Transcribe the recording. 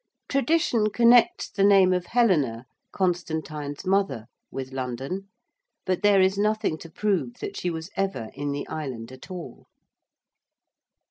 Tradition connects the name of Helena, Constantine's mother, with London, but there is nothing to prove that she was ever in the island at all.